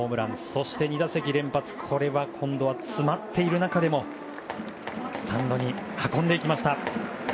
そして２打席連発今度は詰まっている中でもスタンドに運んでいきました。